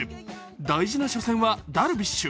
大事な初戦はダルビッシュ。